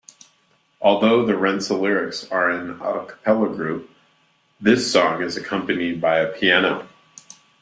Although the Rensselyrics are an a cappella group, this song is accompanied by piano.